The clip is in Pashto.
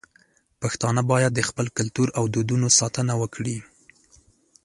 پښتانه بايد د خپل کلتور او دودونو ساتنه وکړي.